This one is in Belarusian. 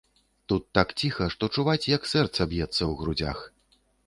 Тут так ціха, што чуваць, як сэрца б'ецца ў грудзях.